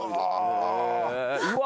うわ！